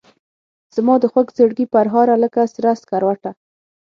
زمادخوږزړګي پرهاره لکه سره سکروټه